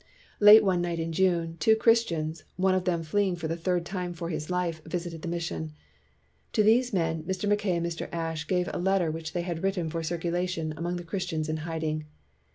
Late one night in June, two Christians, one of them fleeing for the third time for his life, visited the mission. To these men, Mr. Mackay and Mr. Ashe gave a letter which they had written for circulation among the Christians in hiding.